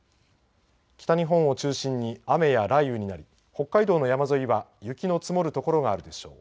北日本を中心に雨や雷雨になり北海道の山沿いは雪の積もる所があるでしょう。